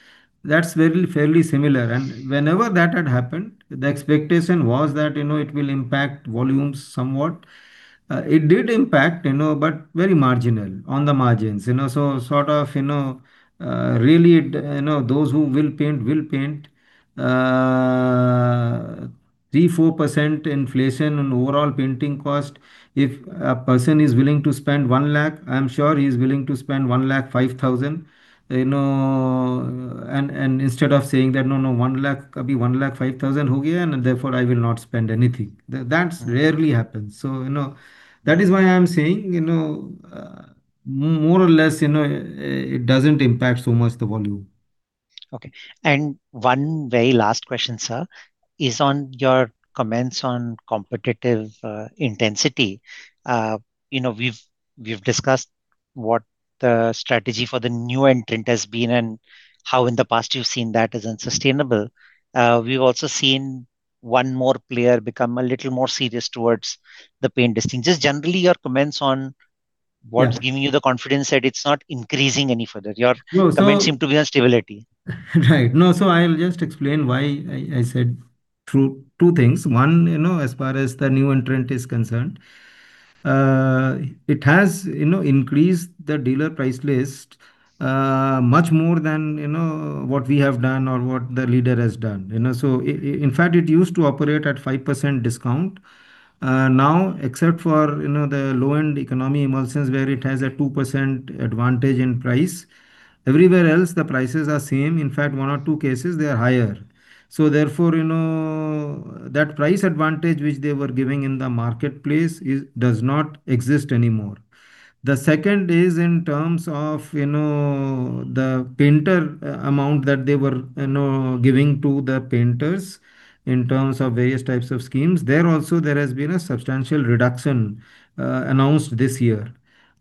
that's very fairly similar. Whenever that had happened, the expectation was that, you know, it would impact volumes somewhat. It did impact, you know, but very marginally on the margins, you know. Sort of, you know, really it, you know, those who will paint will paint. 3% and 4% inflation on overall painting cost. If a person is willing to spend 1 lakh, I'm sure he's willing to spend 1 lakh 5,000, you know. Instead of saying that, No, 1 lakh could be 1 lakh 5,000, and therefore I will not spend anything. That rarely happens. That is why I'm saying, you know, more or less, you know, it doesn't impact so much the volume. Okay. One very last question, sir, is on your comments on competitive intensity. You know, we've discussed what the strategy for the new entrant has been and how in the past you've seen it is unsustainable. We've also seen one more player become a little more serious towards the paint segment. Just generally, your comments. Yeah What's giving you the confidence that it's not increasing any further? No. Comments seem to be on stability. Right. I'll just explain why I said two things. One, you know, as far as the new entrant is concerned, it has, you know, increased the dealer price list much more than, you know, what we have done or what the leader has done, you know. In fact, it used to operate at a 5% discount. Now, except for, you know, the low-end economy emulsions, where it has a 2% advantage in price, everywhere else the prices are the same. In fact, in one or two cases they are higher. Therefore, you know, that price advantage which they were giving in the marketplace does not exist anymore. The second is in terms of, you know, the painter amount that they were, you know, giving to the painters in terms of various types of schemes. There also has been a substantial reduction announced this year.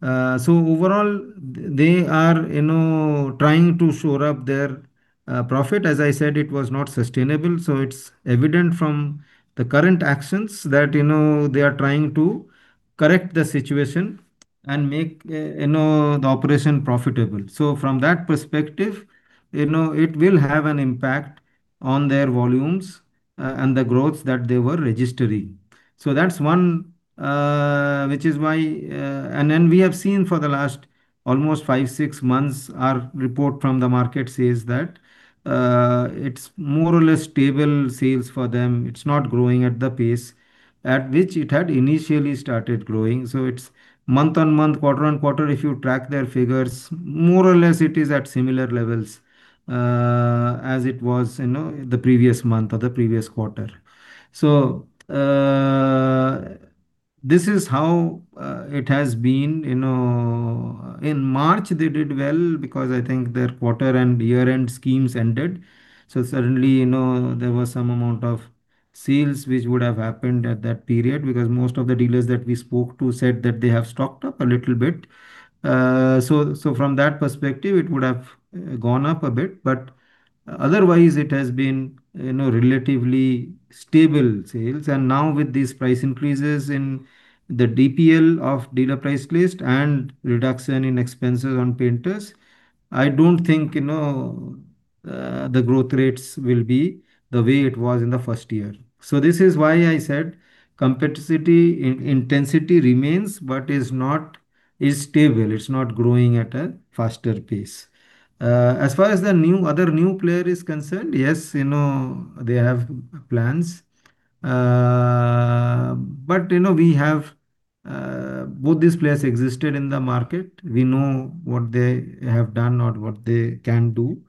Overall they are, you know, trying to shore up their profit. As I said, it was not sustainable, so it's evident from the current actions that, you know, they are trying to correct the situation and make, you know, the operation profitable. From that perspective, you know, it will have an impact on their volumes and the growth that they were registering. That's one, which is why. Then we have seen for the last almost five, six months, our report from the market says that it's more or less stable sales for them. It's not growing at the pace at which it had initially started. It's month on month, quarter on quarter; if you track their figures, more or less it is at similar levels as it was, you know, the previous month or the previous quarter. This is how it has been. You know, in March they did well because I think their quarter and year-end schemes ended; certainly, you know, there was some amount of sales which would have happened at that period because most of the dealers that we spoke to said that they had stocked up a little bit. From that perspective, it would have gone up a bit. Otherwise, it has been, you know, relatively stable sales. Now with these price increases in the DPL of dealer price list and reduction in expenses on painters, I don't think, you know, the growth rates will be the way it was in the first year. This is why I said competency intensity remains, but it's stable. It's not growing at a faster pace. As far as the new other new player is concerned, yes, you know, they have plans. We have, you know, both these players existed in the market. We know what they have done or what they can do.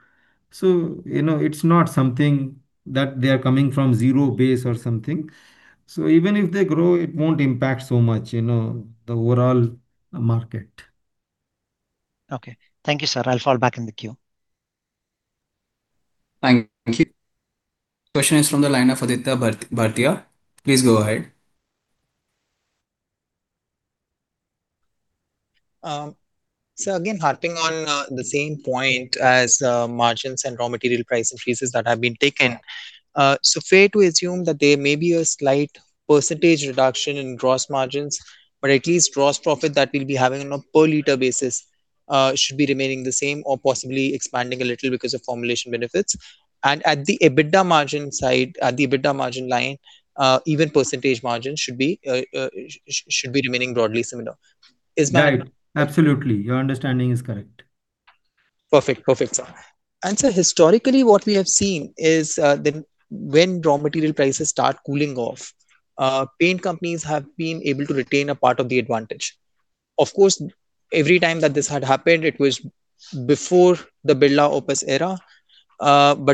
It's not something that they are coming from zero base or something. Even if they grow, it won't impact so much, you know, the overall market. Okay. Thank you, sir. I'll fall back in the queue. Thank you. Question is from the line of Aditya Bhartia. Please go ahead. So again, harping on the same point as margins and raw material price increases that have been taken. So fair to assume that there may be a slight percentage reduction in gross margins, but at least gross profit that we'll be having on a per-liter basis should be remaining the same or possibly expanding a little because of formulation benefits. At the EBITDA margin side, at the EBITDA margin line, even percentage margins should be remaining broadly similar. Is that so? Right. Absolutely. Your understanding is correct. Perfect. Perfect, sir. Sir, historically, what we have seen is when raw material prices start cooling off, paint companies have been able to retain a part of the advantage. Of course, every time that this had happened, it was before the Birla Opus era.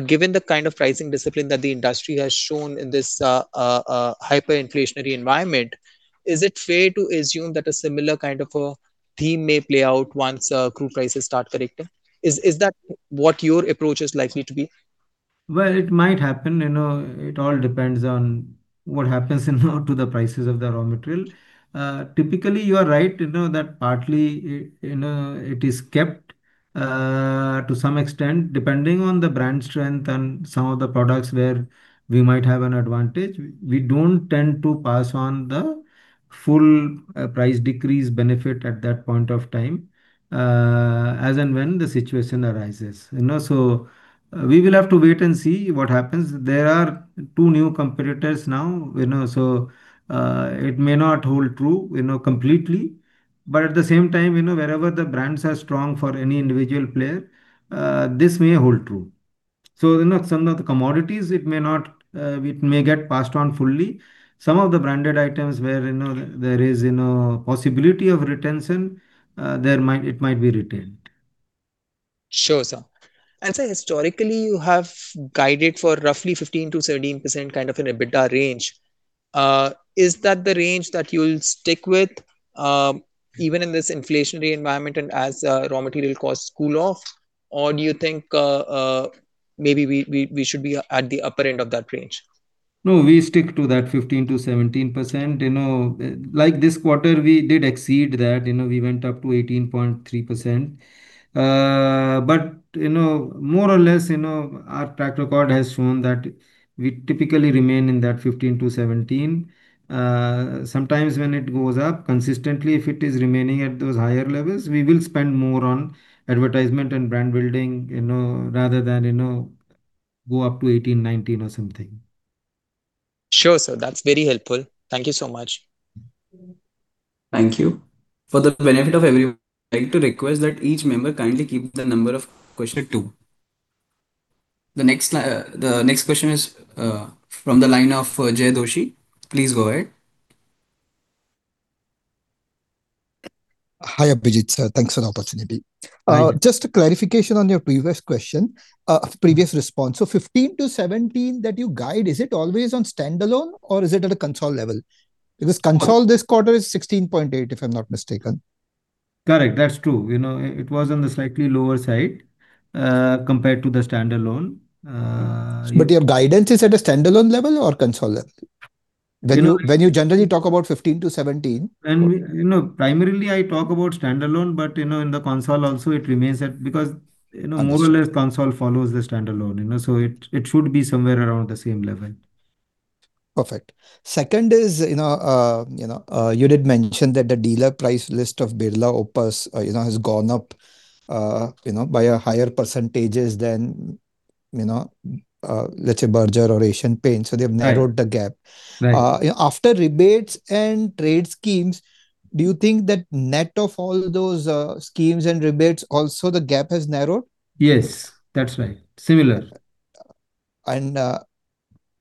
Given the kind of pricing discipline that the industry has shown in this hyperinflationary environment, is it fair to assume that a similar kind of a theme may play out once crude prices start correcting? Is that what your approach is likely to be? Well, it might happen, you know. It all depends on what happens, you know, to the prices of the raw materials. Typically, you are right, you know, that partly, you know, it is kept to some extent, depending on the brand strength and some of the products where we might have an advantage. We don't tend to pass on the full price decrease benefit at that point in time, as and when the situation arises, you know. We will have to wait and see what happens. There are two new competitors now, you know, so it may not hold true, you know, completely. At the same time, you know, wherever the brands are strong for any individual player, this may hold true. Some of the commodities may not; it may get passed on fully. Some of the branded items, where there is, you know, a possibility of retention, might be retained. Sure, sir. Sir, historically, you have guided for roughly a 15%-17% kind of an EBITDA range. Is that the range that you'll stick with even in this inflationary environment and as raw material costs cool off? Do you think maybe we should be at the upper end of that range? No, we stick to that 15%-17%. You know, like this quarter, we did exceed that. You know, we went up to 18.3%. You know, more or less, you know, our track record has shown that we typically remain in that 15%-17%. Sometimes when it goes up consistently, if it is remaining at those higher levels, we will spend more on advertisement and brand building, you know, rather than, you know, go up to 18%, 19%, or something. Sure, sir. That's very helpful. Thank you so much. Thank you. For the benefit of everyone, I'd like to request that each member kindly keep the number of questions at two. The next question is from the line of Jaykumar Doshi. Please go ahead. Hi, Abhijit, sir. Thanks for the opportunity. Thank you. Just a clarification on your previous question and previous response. 15%-17% that you guide, is it always on standalone or is it at a consol level? Because consol this quarter is 16.8%, if I'm not mistaken. Correct. That's true. You know, it was on the slightly lower side, compared to the standalone. Your guidance is at a standalone level or a consol level? You know- When you generally talk about 15%-17%. When we, you know, primarily, I talk about standalone, but, you know, in the consolidated, it also remains at. Understood More or less, the console follows the standalone, you know. It should be somewhere around the same level. Perfect. Second is, you know, you did mention that the dealer price list of Birla Opus, you know, has gone up, you know, by a higher percentage than, you know, let's say, Berger or Asian Paints. Right They've narrowed the gap. Right. After rebates and trade schemes, do you think that net of all those schemes and rebates, also the gap has narrowed? Yes. That is right. Similar.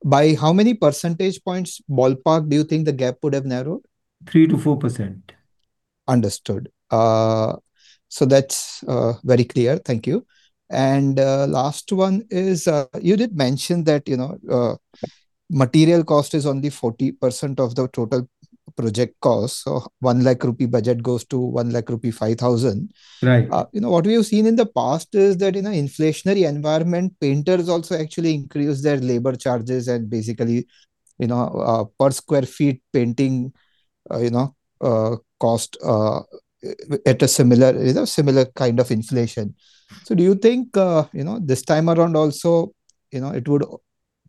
By how many percentage points, ballpark, do you think the gap would have narrowed? 3%-4%. Understood. That's very clear. Thank you. Last one is you did mention that, you know, material cost is only 40% of the total project cost. 1 lakh rupee budget goes to 1 lakh rupee 5,000. Right. You know, what we have seen in the past is that in an inflationary environment, painters also actually increase their labor charges and basically, you know, per square feet painting, you know, costs at a similar, you know, similar kind of inflation. Do you think, you know, this time around also, you know, it would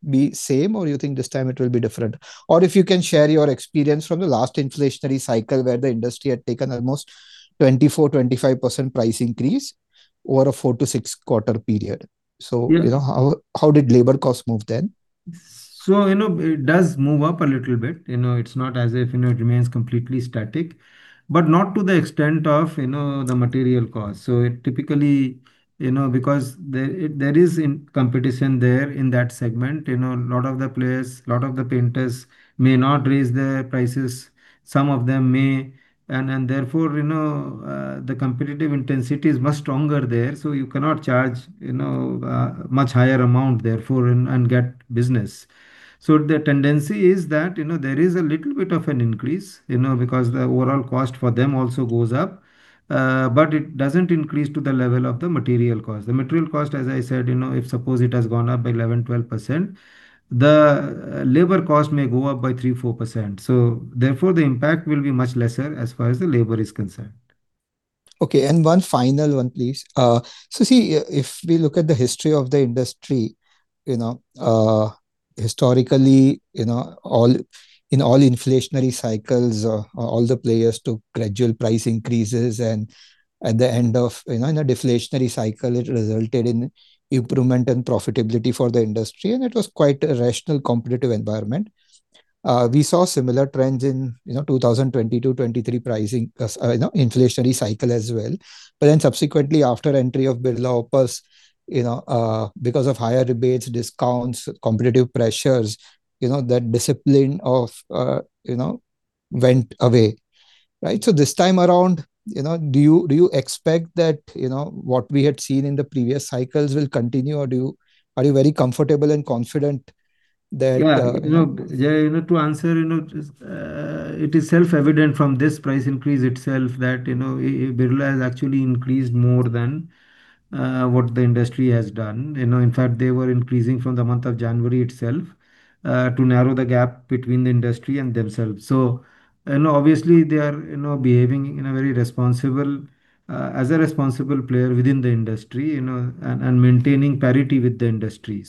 be same or you think this time it will be different? Or if you can share your experience from the last inflationary cycle, where the industry had taken almost 24%-25% price increase over a four-six quarter period? Yeah. You know, how did labor costs move then? You know, it does move up a little bit. You know, it's not as if, you know, it remains completely static. Not to the extent of, you know, the material cost. It typically, you know, because there is competition there in that segment. You know, lot of the players, lot of the painters may not raise their prices. Some of them may. Therefore, you know, the competitive intensity is much stronger there, so you cannot charge, you know, a much higher amount, therefore, and get business. The tendency is that, you know, there is a little bit of an increase, you know, because the overall cost for them also goes up. But it doesn't increase to the level of the material cost. The material cost, as I said, you know, if it has gone up by 11% or 12%, the labor cost may go up by 3% or 4%. Therefore, the impact will be much less as far as the labor is concerned. Okay. One final one, please. Historically, you know, in all inflationary cycles, all the players took gradual price increases. At the end of, you know, in a deflationary cycle, it resulted in improvement and profitability for the industry, and it was quite a rational competitive environment. We saw similar trends in, you know, 2020 to 2023 pricing, you know, inflationary cycle as well. Subsequently, after the entry of Birla Opus, you know, because of higher rebates, discounts, competitive pressures, you know, that discipline, you know, went away, right? This time around, you know, do you expect that, you know, what we had seen in the previous cycles will continue? Are you very comfortable and confident that, you know? It is self-evident from this price increase itself that Birla has actually increased more than what the industry has done. In fact, they were increasing from the month of January itself to narrow the gap between the industry and themselves. Obviously, they are behaving very responsible as responsible players within the industry and maintaining parity with the industry.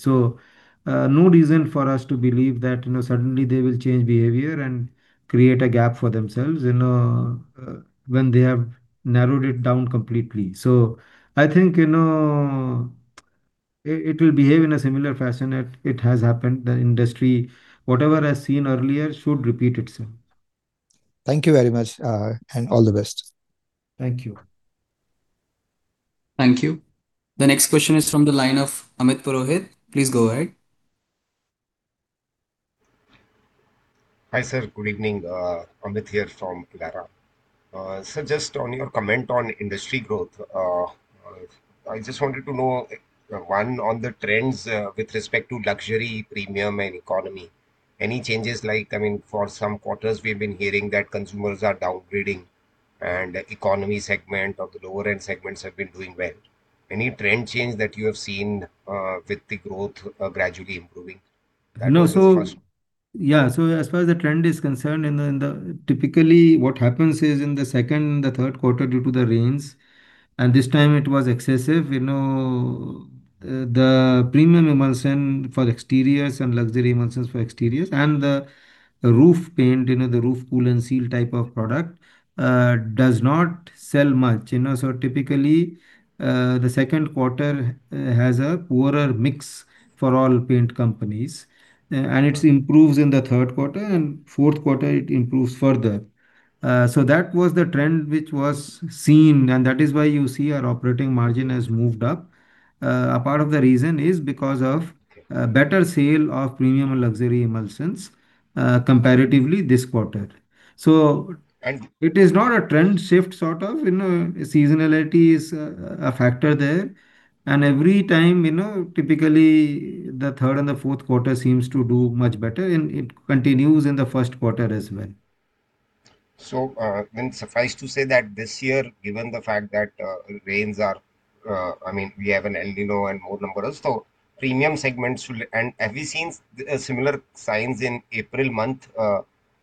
No reason for us to believe that suddenly they will change behavior and create a gap for themselves when they have narrowed it down completely. I think it will behave in a similar fashion as it has happened. The industry, whatever has been seen earlier, should repeat itself. Thank you very much, and all the best. Thank you. Thank you. The next question is from the line of Amit Purohit. Please go ahead. Hi, sir. Good evening. Amit here from Elara. Sir, just on your comment on industry growth, I just wanted to know, one, on the trends with respect to luxury, premium, and economy. Any changes, like, I mean, for some quarters we've been hearing that consumers are downgrading and economy segment or the lower end segments have been doing well. Any trend change that you have seen, with the growth gradually improving? That was the first one. No. As far as the trend is concerned, typically what happens is in the second and the third quarter due to the rains, and this time it was excessive; you know, the premium emulsion for exteriors and luxury emulsions for exteriors and the roof paint, you know, the Roof Cool & Seal type of product, do not sell much, you know? Typically, the second quarter has a poorer mix for all paint companies. It improves in the third quarter, and fourth quarter it improves further. That was the trend which was seen, and that is why you see our operating margin has moved up. A part of the reason is because of better sales of premium and luxury emulsions comparatively this quarter. And- It is not a trend shift sort of; you know, seasonality is a factor there. Every time, you know, typically the third and the fourth quarters seem to do much better, and it continues in the first quarter as well. Have you seen similar signs in the month of April?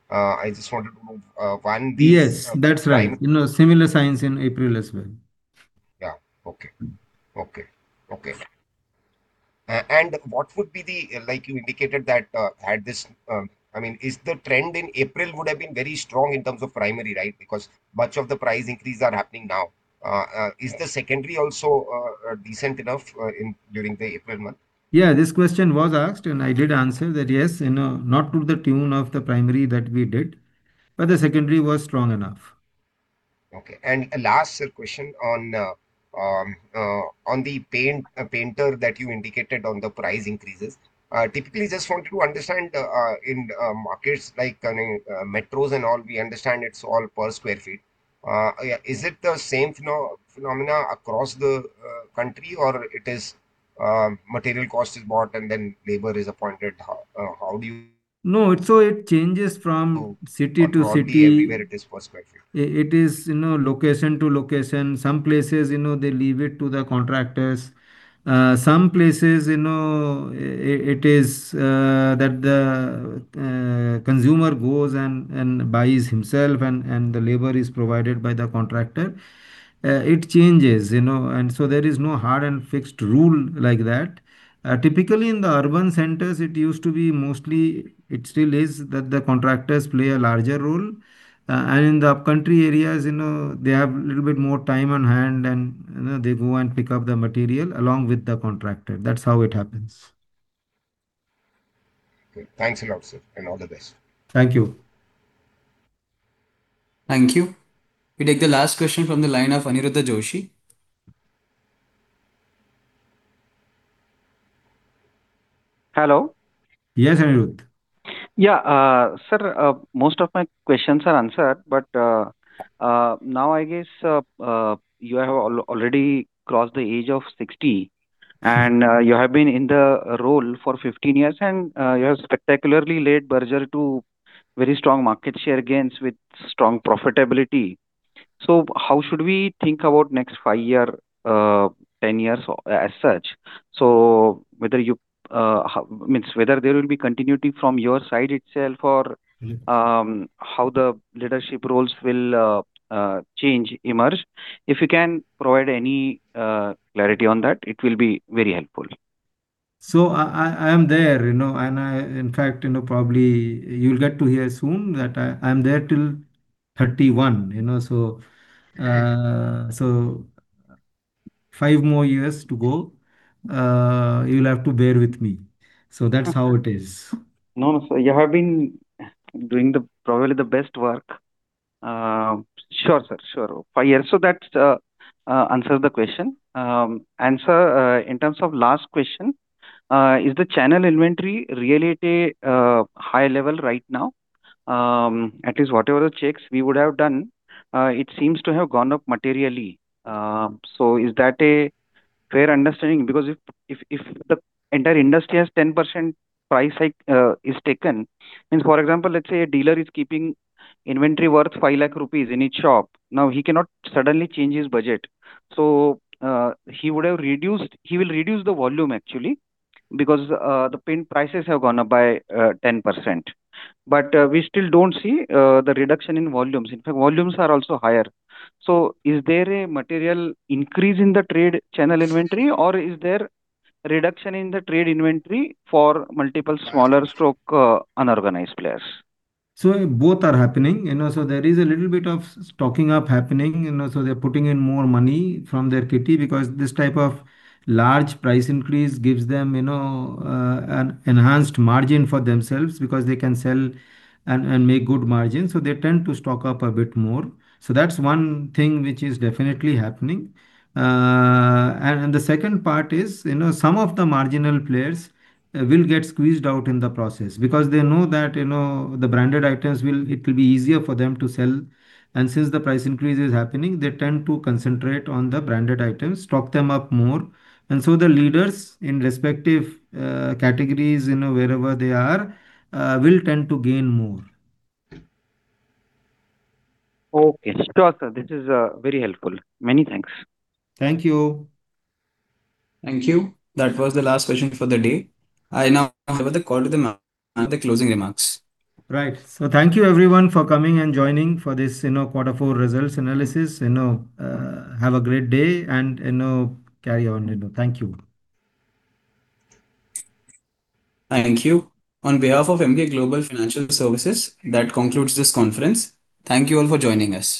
I just wanted to know. Yes. That's right. You know, similar signs in April as well. Yeah. Okay. Okay. Okay. Like you indicated that, at this, I mean, the trend in April would have been very strong in terms of primary, right? Much of the price increases are happening now. Is the secondary also decent enough during the month of April? Yeah, this question was asked, and I did answer that, yes, you know, not to the tune of the primary that we did, but the secondary was strong enough. Okay. Last, sir, question on the paint painter that you indicated on the price increases. Typically just want to understand, in markets like, I mean, metros and all, we understand it's all per square feet. Yeah. Is it the same phenomena across the country, or it is material cost is bought and then labor is appointed? How do you- No. It changes from city to city. Broadly everywhere it is per square feet. It is, you know, location to location. Some places, you know, they leave it to the contractors. Some places, you know, it is that the consumer goes and buys himself, and the labor is provided by the contractor. It changes, you know. There is no hard and fixed rule like that. Typically in the urban centers it used to be mostly, it still is, that the contractors play a larger role. In the upcountry areas, you know, they have little bit more time on hand, and, you know, they go and pick up the material along with the contractor. That's how it happens. Okay. Thanks a lot, sir, and all the best. Thank you. Thank you. We take the last question from the line of Aniruddha Joshi. Hello. Yes, Aniruddha. Yeah. Sir, most of my questions are answered, but now I guess you have already crossed the age of 60, and you have been in the role for 15 years and you have spectacularly led Berger to very strong market share gains with strong profitability. How should we think about next five year, 10 years as such? Whether there will be continuity from your side itself? How the leadership roles will change, emerge? If you can provide any clarity on that, it will be very helpful. I'm there, you know, and I In fact, you know, probably you'll get to hear soon that I'm there till 31, you know. Right. Five more years to go. You'll have to bear with me. That's how it is. No, no, sir. You have been doing probably the best work. Sure, sir. Sure. Five years, that answers the question. Sir, in terms of last question, is the channel inventory really at a high level right now? At least whatever the checks we would have done, it seems to have gone up materially. Is that a fair understanding? Because if the entire industry has 10% price hike is taken, means, for example, let's say a dealer is keeping inventory worth 5 lakh rupees in his shop. Now he cannot suddenly change his budget, he will reduce the volume actually because the paint prices have gone up by 10%. We still don't see the reduction in volumes. In fact, volumes are also higher. Is there a material increase in the trade channel inventory, or is there reduction in the trade inventory for multiple smaller stroke, unorganized players? Both are happening, you know. There is a little bit of stocking up happening, you know. They're putting in more money from their kitty because this type of large price increase gives them, you know, an enhanced margin for themselves because they can sell and make good margin. They tend to stock up a bit more. That's one thing which is definitely happening. The second part is, you know, some of the marginal players will get squeezed out in the process because they know that, you know, the branded items will be easier for them to sell. Since the price increase is happening, they tend to concentrate on the branded items, stock them up more. The leaders in respective categories, you know, wherever they are, will tend to gain more. Okay. Sure, sir. This is very helpful. Many thanks. Thank you. Thank you. That was the last question for the day. I now hand over the call to the management. The closing remarks. Right. Thank you everyone for coming and joining for this, you know, quarter four results analysis, you know. Have a great day and, you know, carry on, you know. Thank you. Thank you. On behalf of Emkay Global Financial Services, that concludes this conference. Thank you all for joining us.